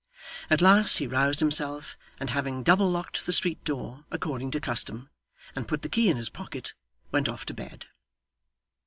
At last he roused himself; and having double locked the street door according to custom, and put the key in his pocket, went off to bed.